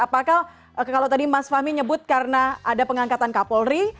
apakah kalau tadi mas fahmi nyebut karena ada pengangkatan kapolri